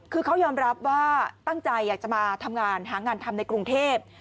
คือเขายอมรับว่าตั้งใจอยากจะมาทำงานหางานทำในกรุงเทพ